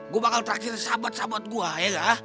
gue bakal traktir sahabat sahabat gue ya nggak